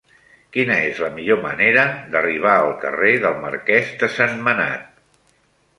Quina és la millor manera d'arribar al carrer del Marquès de Sentmenat?